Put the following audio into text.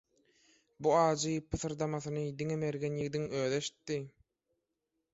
Bu ajy pysyrdamasyny diňe mergen ýigdiň özi eşitdi.